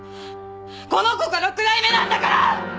この子が６代目なんだから！